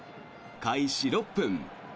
開始６分。